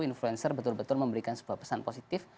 influencer betul betul memberikan sebuah pesan positif